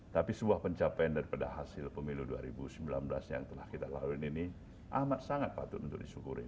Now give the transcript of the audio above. tapi sebuah pencapaian daripada hasil pemilu dua ribu sembilan belas yang telah kita lalui ini amat sangat patut untuk disyukuri